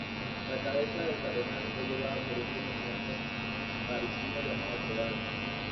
La cabeza del cardenal fue llevada por un comerciante parisino llamado Cheval.